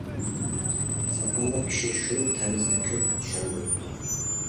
ساقاللىق كىشى شۇ تەرزدە كۆپ چۈشەندۈرۈپتۇ.